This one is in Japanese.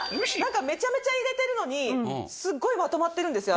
めちゃめちゃ入れてるのにすっごいまとまってるんですよ